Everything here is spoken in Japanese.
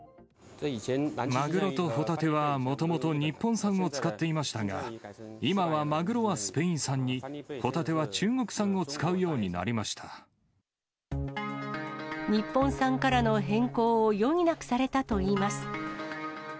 マグロとホタテはもともと日本産を使っていましたが、今はマグロはスペイン産に、ホタテは中日本産からの変更を余儀なくされたといいます。